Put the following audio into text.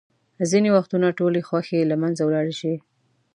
ځینې وختونه ټولې خوښۍ له منځه ولاړې شي.